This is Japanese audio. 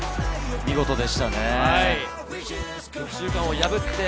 見事でしたね。